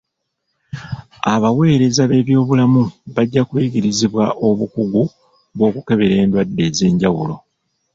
Abaweereza b'ebyobulamu bajja kuyigirizibwa obukugu bw'okukebera endwadde ez'enjawulo.